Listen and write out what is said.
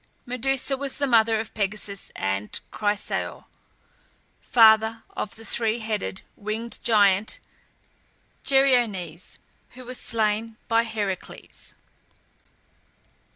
Medusa was the mother of Pegasus and Chrysaor, father of the three headed, winged giant Geryones, who was slain by Heracles.